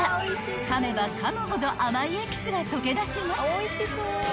［かめばかむほど甘いエキスが溶け出します］